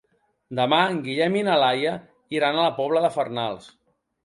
Demà en Guillem i na Laia iran a la Pobla de Farnals.